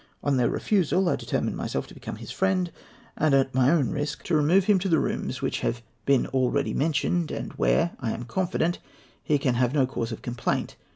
On their refusal, I determined myself to become his friend, and, at my own risk, to remove him to the rooms which have been already mentioned, and where, I am confident, he can have no cause of complaint.